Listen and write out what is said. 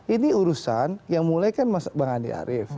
ini urusan yang mulai kan bang andi arief